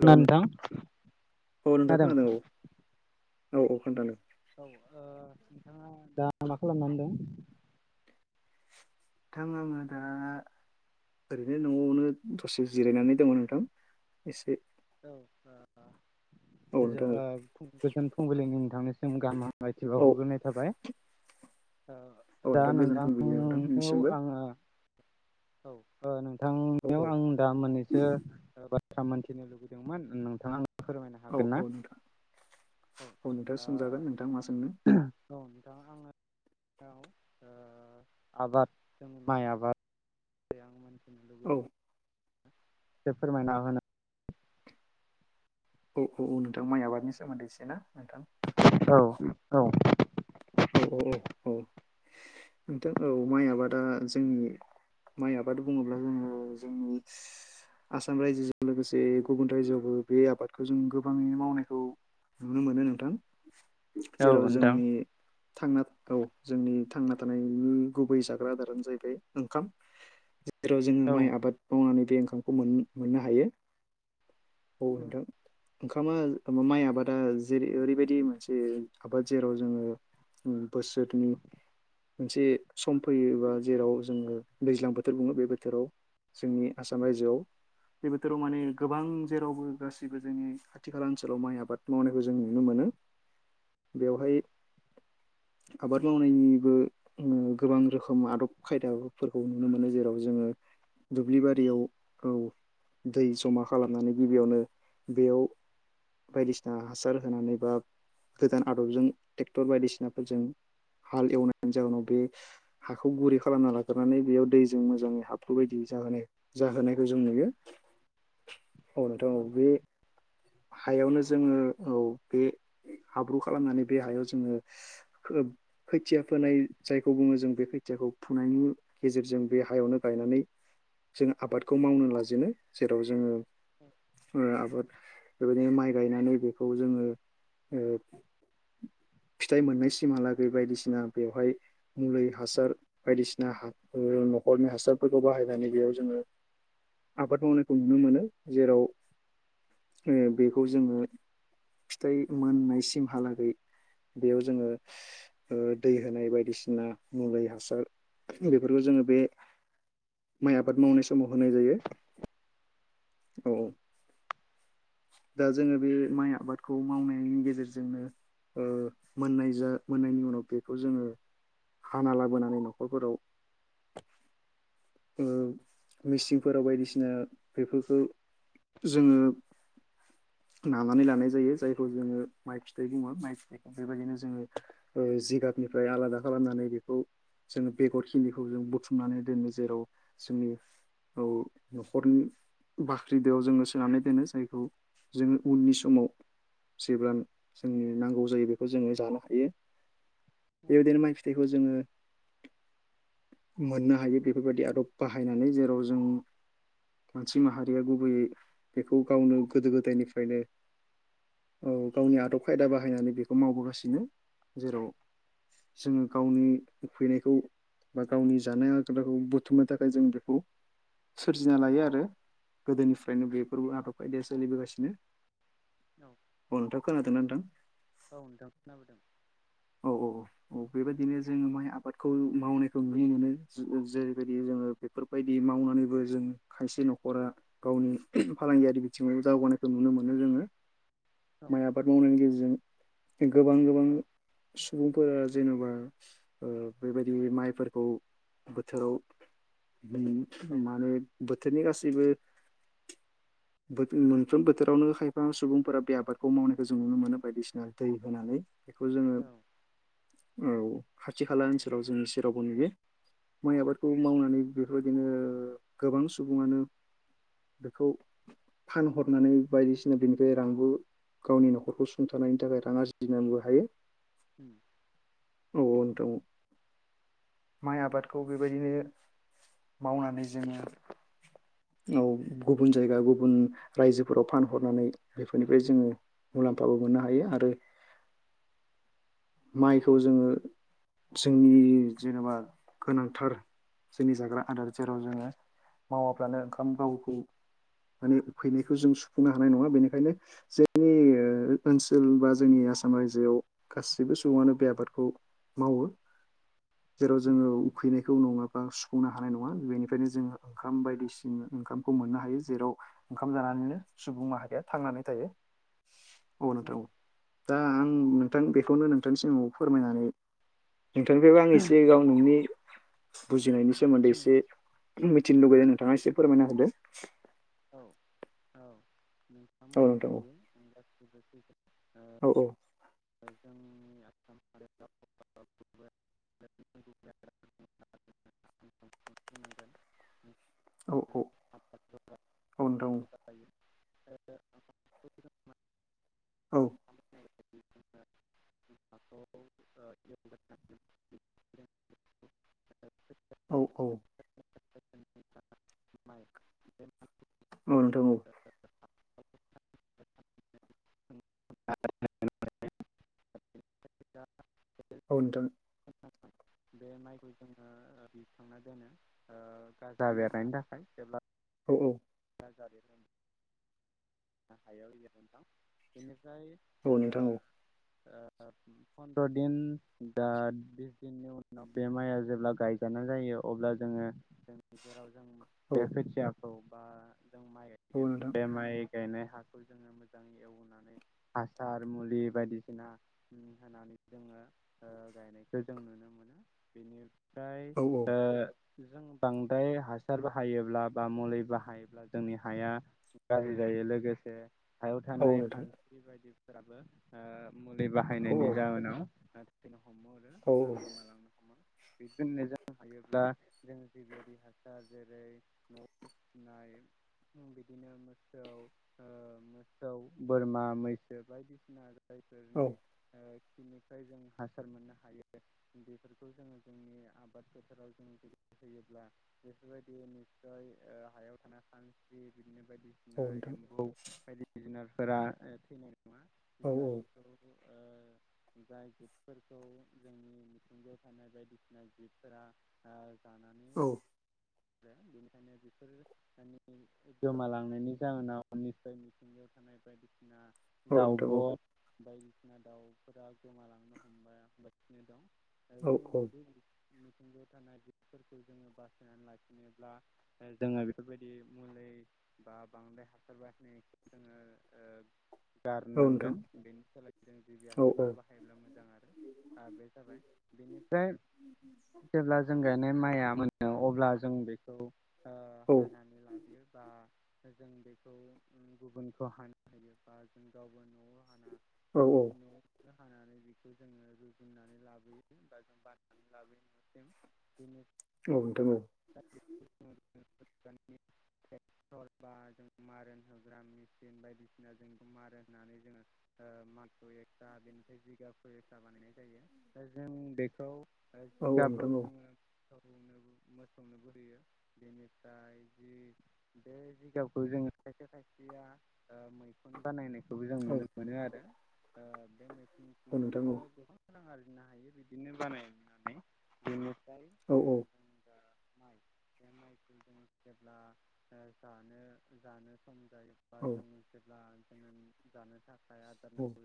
Hello औ ना नोंथां नोंथां खोनादों? खोनादों औ औ औ खोन्थादों। औ ओ नोंथाङा दा मा खालामनानै दं? थां आङो दा ओरैनो न'आवनो दसे जिरायनानै दङ नोंथां एसे। औ। औ नोंथां गोजोन औ ओ-ओ फुंबिलिनि नोंथांनिसिम गाहाम हामलायथि औ बावहरग्रोनाय थाबाय। ओ औ दा नोंथां गोजोन फुंबिलि नोंथांखौ नोंथांनिसिमबो आङो औ औ नोंथांनियाव औ आं दा मोननैसो बाथ्रा मोनथिनो लुबैदों। नोंथाङा फोरमायनो औ हागोन ना? औ नोंथां औ नोंथां सोंजागोन नोंथां मा सोंनो ओ औ। आङो [unintelligible] आबाद जों माइ आबाद। द आङोन [unintelligible] औ। फोरमायना होनो औ औ औ नोंथां माइ आबादनि सोमोन्दै एसे ना? नोंथां औ औ। औ औ औ औ नोंथां औ माइ आबादा जोंनि माइ आबाद बुङोब्ला जोङो जोंनि आसाम रायजोजों लोगोसे गुबुन रायजोआवबो बे आबादखौ जों गोबाङै मावनायखौ नुनो मोनो नोंथां औ जेराव नोंथां जोंनि थांना औ जोंनि थांना थानायनि गुबै जाग्रा आदारानो जाहैबाय ओंखाम जेराव जोङो माइ औ आबाद मावनानै बे ओंखामखौ मान-मोननो हायो औ नोंथां ओंखामा माइ आबादा जेरै ओरैबायदि मोनसे आबाद जेराव जोङो उम बोसोरनि मोनसे सम फैयोबा जेराव जोङो दैज्लां बोथोर बुङो बे बोथोराव जोंनि आसाम रायजोआव बे बोथोराव माने गोबां जेरावबो गासैबो जोंनि खाथि खाला ओनसोलाव माइ आबाद मावनायखौ जों नुनो मोनो उम बेवहाय आबाद मावनायनिबो उम गोबां रोखोम आदब खायदाफोरखौ नुनो मोनो जेराव जोङो दुब्लि बारियाव औ दै जमा खालामनानै गिबियावनो बेयाव बायदिसिना हासार होनानै बा गोदान आदबजों टेक्टर बायदिसिनाफोरजों हाल एवनायनि जाहोनाव बे हाखौ गुरै खालामना लाग्रोनानै बेयाव दैजों मोजाङै हाब्रु बायदि जागानाय जाहोनायखौ जों नुयो औ नोंथां औ ओ बे हायावनो जोङो औ बे हाब्रु खालामनानै बे हायाव जोङो खोब खैथिया फोनाय जायखौ बुङो जों बे खैथियाखौ फुनायनि गेजेरजों बे हायावनो गाय गायनानै जों आबादखौ मावनो लाजेनो जेराव जोङो ओ आबाद बेबायदिनो माइ गायनानै बेखौ जोङो ओ फिथाइ मोननाय सिमहालागै बायदिसिना बेवहाय मुलै हासार बायदिसिना हा ओ नखरनि हासारफोरखौ बाहायनानै बेयाव जोङो आबाद मावनायखौ नुनो मोनो जेराव [unintelligible] बेयाव जोङो ओ दै होनाय बायदिसिना मुलै हासार बेफोरखौ जोङो बे माइ आबाद मावनाय समाव होनाय जायो औ औ दा जोङो बे माइ आबादखौ मावनायनि गेजेरजोंनो ओ मोननाय जा मोननायनि उनाव बेखौ जोङो हाना लाबोनानै नखरफोराव ओ मिसिंफोराव बायदिसिना बेफोरखौ जोंङो नानानै लानाय जायो जायखौ जोङो माइ फिथाइ दङ माइ फिथाइखौ बेबायदिनो जोङो ओ जि जाबनिफ्राय आलादा खालामनानै बेखौ जोङो बेगरखिनिखौ जों बुथुमनानै दोनो जेराव जोंनि औ नखरनि बाख्रि दोयाव जोङो सोनानै दोनो जायखौ जोङो उननि समाव जेबान जोंनि नांगौ जायो बेखौ जोंङो जानो हायो बेबायदिनो माइ फिथाइखौ जोङो मोननो हायो बेफोरबायदि आदब बाहायनानै जेराव जों मानसि माहारिया गुबैयै बेखौ गावनो गोदो गोदायनिफ्रायनो औ गावनि आदब खायदा बाहायनानै बेखौ मावबोगासिनो जेराव जोङो गावनि उफैनायखौ बा गावनि जानाय आगदाखौ बुथुमनो थाखाय जों बेखौ सोरजिना लायो आरो गोदोनिफ्रायनो बेफोरबो आदब खायदाया स सोलिबोगासिनो अ नोंथां खोनादों ना नोंथां औ नोंथां खोनाबोदों औ औ औ बेबायदिनो जोङो माइ आबादखौ मावनायखौ नुनो मोनो जेरैबायदि जोङो बेफोरबायदि मावनानैबो जों खायसे न'खरा गावनि फालांगियारि बिथिङाव दावगानायखौ नुनो मोनो जोङो औ माइ आबाद मावनायनि गेजेरजों। गोबां गोबां। औ सुबुंफोरा जेनेबा ओ बेबायदि माइफोरखौ। बोथोराव औ माने बोथोरनि गासैबो गासैबो। मोनफ्रोम बोथोरावनो खायफा सुबुंफोरा बे आबादखौ मावनायखौ जों नुनो मोनो बायदिसिना दै होनानै। बेखौ जोङो औ खाथि खाला नंगौ ओनसोलाव जोङो सेरावबो नुयो। माइ उम आबादखौ मावनानै बेफोरबायदिनो गोबां सुबुङानो। बेखौ फानहरनानै बायदिसिना बेनिफ्राय रांबो। गावनि न'खरखौ सुंथानायनि थाखाय रां आरजिनबो हायो [inaudible] औ नोंथां औ। माइ आबादखौ बेबायदिनो मावनानै जोङो। औ गुबुन जायगा गुबुन रायजोफोराव फानहरनानै बेफोरनिफ्राय जोङो। मुलाम्फाबो मोननो हायो आरो। माइखौ जोङो। जोंनि जेनेबा गोनांथार जोंनि जाग्रा आदार जेराव जोङो। मावाब्लानो ओंखाम गावखौ। माने फैनायखौ जों सुफुंनो हानाय नङा बेनिखायनो जोंनि ओनसोल। बा जोंनि बे आसाम रायजोआव गासैबो। गासैबो सुबुङानो बे आबादखौ मावो जेराव उम जोङो उखैनायखौ नङा। बा सुफुंनो हानाय नङा बेनिफ्रायनो जोङो ओंखाम बायदिसिना ओंखामखौ मोननो हायो जेराव ओंखाम जानानै। सुबुं माहारिया थांनानै थायो। औ नोंथां औ दा आं नोंथां बेखौनो नोंथांनि सिगाङाव फोरमायनानै। नोंथांनिफ्रायबो आं एसे गाव नोंनि बुजिनायनि। सोमोन्दै उम एसे मिथिनो उम लुुबैदों नोंथाङा एसे फोरमायना होदो। औ औ नोंथांमोनाबदि आं गासिबो फैगोन। औ जों। [unintelligible] [unintelligible] औ औ। [unintelligible] औ। [unintelligible] औ औ। [unintelligible] औ नोंथां औ [unintelligible] औ नोंथां। बे माइखौ जोङो दिखांना दोनो। गाजा बेरायनायनि थाखाय जेब्ला। औ औ [unintelligible] ओमफ्राय ओ। औ नोंथां औ नोंथां औ फनन्द्र दिन बा बिस दिननि उनाव बे माइया जेब्ला गायजानाय। जायो अ अब्ला जोेराव। जों बे खोथियाखौ बा जों माइ औ गायगोन नोंथां बे माइ गायनाय हाखौ जोङो मोजाङै एवनानै हासार मुलि बायदिसिना होनानै जोङो। ओ-ओ गायनायखौ जों नुनो मोनो बेनि फ्राय औ ओ जों बांद्राय हासार बाहायोब्ला बा मुलि बाहा थायोब्ला जोंनि हाया गाज्रि जायो लोगोसे हायाव औ थानाय नोंथां खानस्रि बायदि फोराबो ओ मुलि औ बाहायनायनि जाहोनाव [inaudible] हमो आरो औ आरो गोमालांनो हमो। बिदिनो जानो हायोब्ला जों जिबियारि हासार जेरै न' नाय ओम बिदिनो मोसौ ओ मोसौ बोरमा मैसो बायदिसिना जायफोरनि ओ बिनिफ्राय जों हासार मोननो हायो बेफोरखौ जोङो जोंनि आबाद फोथाराव जों होयोब्ला बेफोरबायदि नित्सय ओ हायाव थानाय खानस्रि बिदिनो औ बायदिसिना नोंथां एम्बौ बायदि जुनारफोरा ओ थैनाय नङा औ जायखौ [inaudible] जाय जिबफोरखौ जोंनि मिथिंगायाव थानाय बायदिसिना जिबफोरा ओ जानाय औ बेनिखायनो बेफोरो मानि गोमालांनायनि जाहोनाव निस्सय मिथिंगायाव थानाय बायदिसिना औ नोंथां दाउब' औ नोंथां औ नोंथां औ नोंथां औ नोंथां बायदिसिना दाउफोरा गोमालांनो हमबाय हमगासिनो दं। आरो जों जुदि मिथिंगायाव थानाय जिबफोरखौ जोङो बासायनानै लाखिनोब्ला ओ जोङो बेफोरबायदि मुलि बा बांद्राय हासार बाहायनायखौ जोङो ओ गारनांगोन बेनि सोलाय जों जिबि हासारखौ बाहायोब्ला मोजां आरो आ बे जाबाय बेनिफ्राय जेब्ला जों गायनाय माइआ मोनो अब्ला जों बे खौ ओ हानानै लादो बा जों बेखौ ओम गुबुनखौ हानो होयोबा जों गावबो न'आव हाना नो न'आवनो हानानै बेखौ जोङो रुजुननानै लाबोयो बा जों बाननानै लाबोयो न'सिम बेनि औ नोंथां औ। [unintelligible] बा जों मारेन होग्रा मेसिन बायदिसिना जों मारेन होनानै जोङो ओ [unintelligible] दा बेनिफ्राय जिगा फरेखा बानायनाय जायो दा जों बेखौ ओ जिगाबखौ जोङो सौनोबो मोसौनोबो होयो बेनि [inaudible] बे जिगाबखौ जोङो खायसे खायसेया ओ मैखुन बानायनाय खौबो जों नुनो मोनो आरो ओ बे मैखुनजोंबो गोबां रां आरजिनो हायो बिदिनो बानायनानै बेनिफ्राय औ औ ओ दा माइ बे माइखौ जों जेब्ला ओ जानो जानो सम जायोबा औ जों खौ औ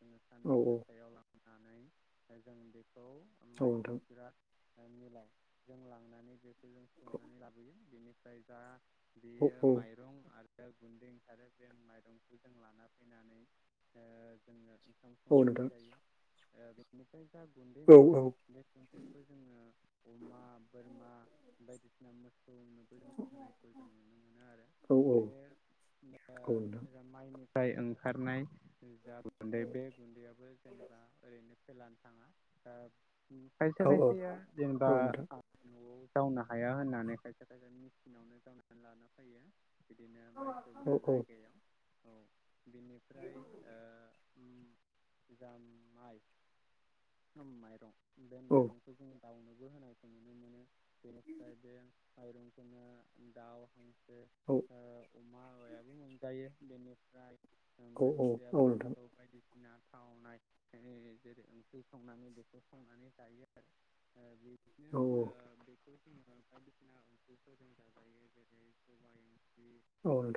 जोङो औ सान्दुं गोसायाव लामनानै ओ जों बेखौ औ माइ नोंथां सौग्रा ओ मिलाव जों लांनानै बेखौ जों सौनानै लाबोयो बेनिफ्राय जा औ बियो औ माइरं आर रो गुन्दै ओंखारो जों माइरंखौ जों लाना फैनानै ओ जोङो सं औ संनानै नोंथां जायो ओ बेनिफ्राय गुन्दै औ मोनो औ बे गुन्दैखौ जोङो अमा बोरमा बायदिसिना मो सौनोबो जों होनायखौ जों नुनो मोनो आरो औ औ बे ओ ओ औ नोंथां ओजों माइनि फ्राय ओंखारनाय जा गुन्दै बे गुन्दैयाबो जेनेबा ओरैनो [inaudible] होलानो थाङा ओ खायसे औ औ खायसेया औ जेनेबा नोंथां न'आव जावनो हाया होननानै खायसे खायसे मेसिनावनो जावनानै लाना फैयो। बिदिनो माइ औ सौग्रा औ नोंथां औ जायगायाव औ बिनिफ्राय ओ [unintelligible] माइ [unintelligible] माइरं बे माइरंखौ जोङो दाउनोबो होनायखौ नुनो मोनो ओमफ्राय बे माइरंखौनो दाउ हांसो ओ [unintelligible] याबो मोनजायो बेनिफ्राय औ नोंथां औ मानसियाबो बेखौ बायदिसि थावनाय जेरै ओंख्रि संनानै बेखौ संनानै जायो आरो ओ बि बिदिनो ओ बेखौ जोङो बायदिसिना ओंख्रिफोरजों जाजायो जेरै सबाइ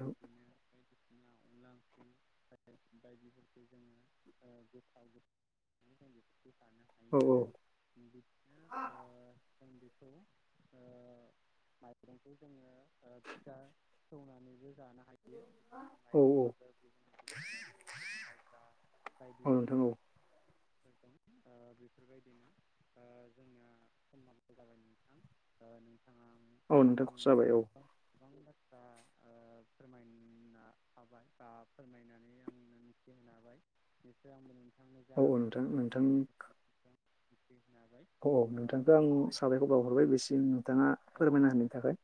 बिदिनो बायदिसिना अनला ओंख्रि बायदिफोरखौ जोङो ओ गोथाव गो [unintelligible] जानो हायो आरो बिदिनो ओ जों बेखौ ओ माइरंखौ जोङो ओ फिता सौनानैबो जानो हायो माइरंआबो गुबुन गुबुन जाद दं जेरै माइब्रा नोंथां बायदिसिना औ ओ बेफोरबायदिनो ओ जोंना समान जा [unintelligible] ओ नोंथां आं नोंथांखौ आं जाबाय औ [unintelligible] [inaudible] [unintelligible] मोजांखिनि औ नोंथां नोंथांनि [unintelligible] औ नोंथांखौ आं बेफोरबायदिनो साबायखर बावाहरबाय उनफोरावबो बेसिम नोंथाङा औ फोरमायना होनायनि थाखाय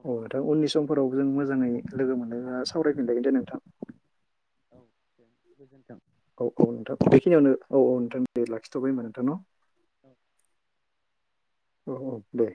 औ अ दा नोंथाङाबो उननि बेफोरनो समफोराव जों मोजाङै उनफोराव लोगो मोनलायबा सावरायफिनलायगोन दे नोंथां औ दे गोजोन्थों औ औ नोंथां बेखिनियावनो औ औ नोंथां दे लाखिथ'बाय होनबा नोंथां न औ औ औ दे